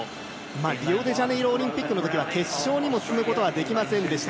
リオデジャネイロオリンピックの時は決勝にも進むことはできませんでした。